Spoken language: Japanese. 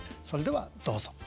それではどうぞ。